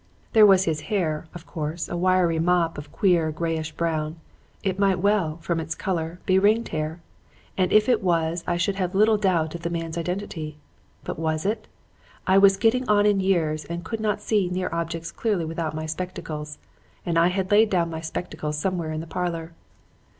"There was his hair; a coarse, wiry mop of a queer grayish brown. It might well, from its color, be ringed hair; and if it was I should have little doubt of the man's identity. But was it? I was getting on in years and could not see near objects clearly without my spectacles; and I had laid down my spectacles somewhere in the parlor.